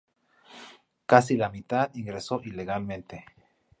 Casi la mitad ingresó ilegalmente.